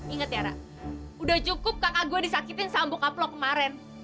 ingat ya ra udah cukup kakak gue disakitin sama bokap lo kemarin